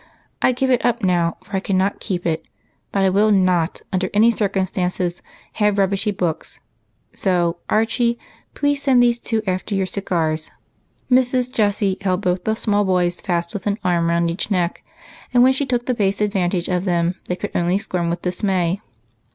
I give it up now, for I cannot keep it ; but I will not have rubbishy books ; so, Archie, please send these two after your cigars." Mrs. Jessie held both the small boys fast with an arm round each neck, and when she took this base advantage of them they could only squirm with dis may.